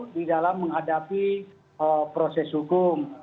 di dalam menghadapi proses hukum